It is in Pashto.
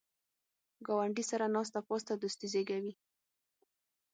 ګاونډي سره ناسته پاسته دوستي زیږوي